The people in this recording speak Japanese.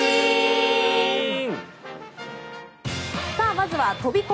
まずは飛込。